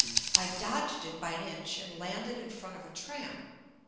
I dodged it by an inch and landed in front of a tram.